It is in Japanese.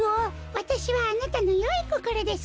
わたしはあなたのよいこころです。